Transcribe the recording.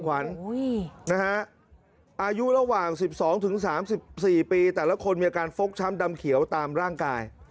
อายุระหว่าง๑๒๓๔ปีแต่ละคนมีอาการฟกช้ำดำเขียวตามร่างกาย